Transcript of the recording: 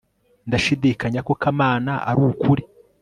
ndashidikanya ko kamana arukuri